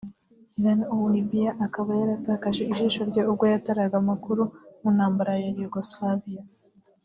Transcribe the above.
Iran ou en Libiya akaba yaratakaje ijisho rye ubwo yataraga amakuru mu ntambara ya Yougoslavie